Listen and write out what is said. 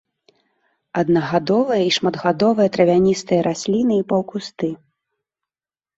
Аднагадовыя і шматгадовыя травяністыя расліны і паўкусты.